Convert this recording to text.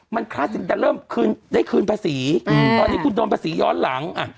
มันคลาดสินแต่เริ่มได้คืนภาษีตอนนี้คุณโดนภาษีย้อนหลัง